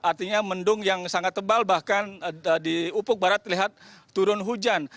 artinya mendung yang sangat tebal bahkan di upuk barat terlihat turun hujan